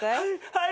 はい。